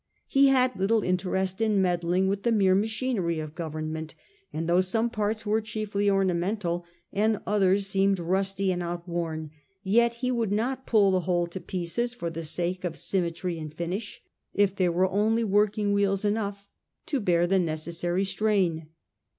He had little interest in meddling with the mere machinery of government, and though some parts were chiefly ornamental, and others seemed rusty and out worn, yet he would not pull the whole to pieces for the sake of symmetry and finish, if there were only working wheels enough to bear the necessary strain.